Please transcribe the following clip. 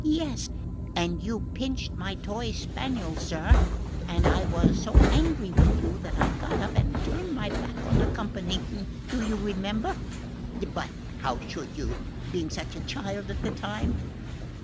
Yes and you pinched my toy spaniel, sir, and I was so angry with you that I got up and turned my back on the company do you remember? But how should you, being such a child at the time?